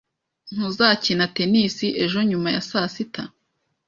Ntuzakina tennis ejo nyuma ya saa sita?